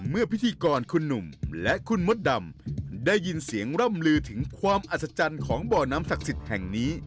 พิธีกรคุณหนุ่มและคุณมดดำได้ยินเสียงร่ำลือถึงความอัศจรรย์ของบ่อน้ำศักดิ์สิทธิ์แห่งนี้